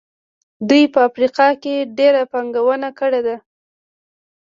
دوی په افریقا کې ډېره پانګونه کړې ده.